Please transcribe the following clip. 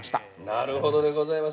◆なるほどでございます。